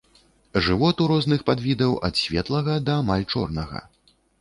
Жывот у розных падвідаў ад светлага да амаль чорнага.